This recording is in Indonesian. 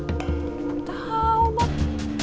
gak tahu bang